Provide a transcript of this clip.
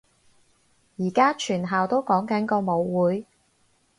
而家全校都講緊個舞會